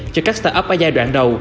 cho các start up ở giai đoạn đầu